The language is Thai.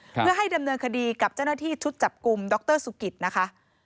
เพื่อให้ดำเนินคดีกับเจ้าหน้าที่ชุดจับกลุ่มดรสุกิตนะคะ